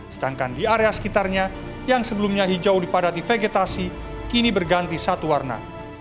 sedangkan di area sekitarnya yang sebelumnya hijau dipadati vegetasi kini berganti satu warna